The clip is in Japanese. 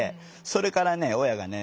それからね親がね